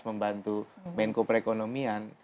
yang bantu menko perekonomian